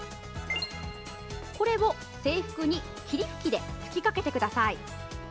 これを制服に霧吹きで吹きかけてください。